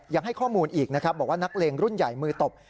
ยังให้ข้อมูลอีกนะครับบอกว่านักเลงรุ่นใหญ่มือตบ